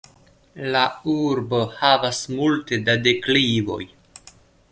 La urbo havas multe da deklivoj.